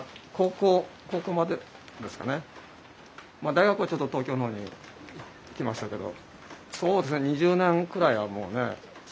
大学はちょっと東京のほうに行きましたけど。